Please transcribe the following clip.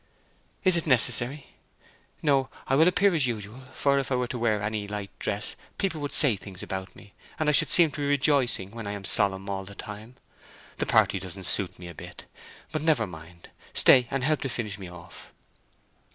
"Is it necessary? No; I will appear as usual, for if I were to wear any light dress people would say things about me, and I should seem to be rejoicing when I am solemn all the time. The party doesn't suit me a bit; but never mind, stay and help to finish me off."